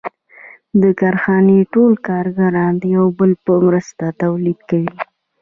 د کارخانې ټول کارګران د یو بل په مرسته تولید کوي